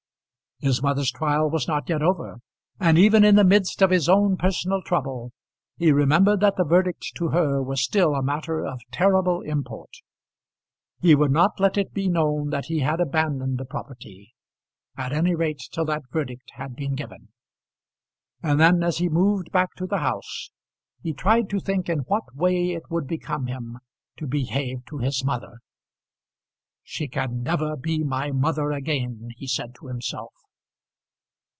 His mother's trial was not yet over, and even in the midst of his own personal trouble he remembered that the verdict to her was still a matter of terrible import. He would not let it be known that he had abandoned the property, at any rate till that verdict had been given. And then as he moved back to the house he tried to think in what way it would become him to behave to his mother. "She can never be my mother again," he said to himself.